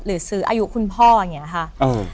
หรือซื้ออายุคุณพ่ออย่างนี้ค่ะ